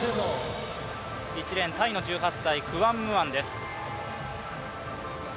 １レーン、タイの１８歳、クワンムアンです。